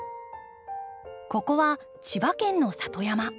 ここは千葉県の里山。